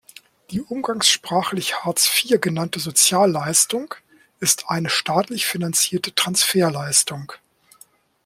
Die umgangssprachlich Hartz vier genannte Sozialleistung ist eine staatlich finanzierte Transferleistung.